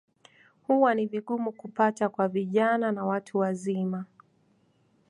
Huwa ni vigumu kupata kwa vijana na watu wazima.